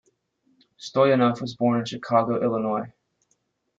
Stoyanov was born in Chicago, Illinois.